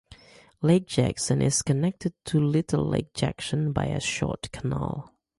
Lake Jackson is connected to Little Lake Jackson by a short canal.